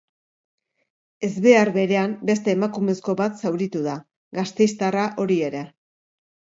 Ezbehar berean beste emakumezko bat zauritu da, gasteiztarra hori ere.